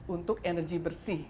untuk energi bersih